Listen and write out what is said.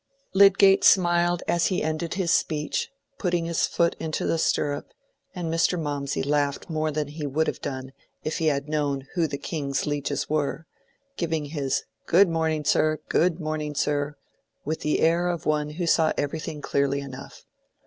Lydgate smiled as he ended his speech, putting his foot into the stirrup, and Mr. Mawmsey laughed more than he would have done if he had known who the king's lieges were, giving his "Good morning, sir, good morning, sir," with the air of one who saw everything clearly enough.